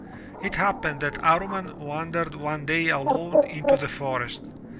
It happened that Amman wandered one day alone into the forest.